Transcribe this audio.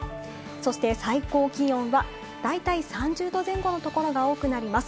そして最高気温は大体３０度前後のところが多くなります。